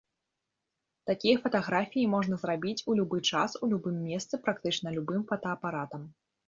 Такія фатаграфіі можна зрабіць у любы час, у любым месцы, практычна любым фотаапаратам.